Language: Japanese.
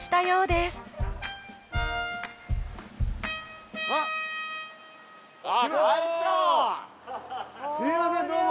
・すいませんどうも。